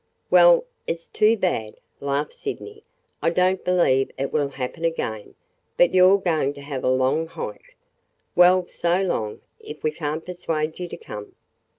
"Well, it 's too bad!" laughed Sydney. "I don't believe it will happen again, but you 're going to have a long hike. Well, so long, if we can't persuade you to come!"